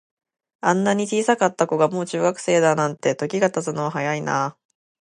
あんなに小さかった子が、もう中学生だなんて、時が経つのは早いなあ。